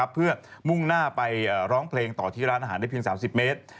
เพื่อมุ่งหน้าไปร้องเพลงต่อที่ร้านอาหารได้เพียง๓๐เมตร